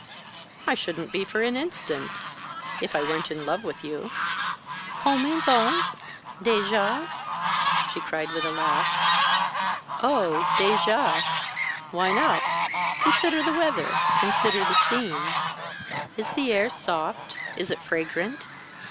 "I shouldn't be for an instant if I weren't in love with you." "Comment donc? Déjà?" she cried with a laugh. "Oh, déjà! Why not? Consider the weather consider the scene. Is the air soft, is it fragrant?